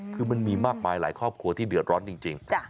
คือมันมีมากมายหลายครอบครัวที่เดือดร้อนจริง